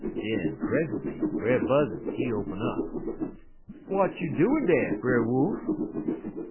Den, present'y, Brer Buzzud, he open up: "'W'at you doin' dar, Brer Wolf?'